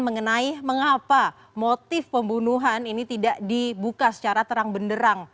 mengenai mengapa motif pembunuhan ini tidak dibuka secara terang benderang